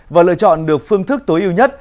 và lựa chọn được phương thức tối ưu nhất